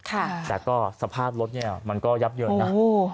แต่ก็สภาพรถเนี่ยมันก็ยับเยินนะ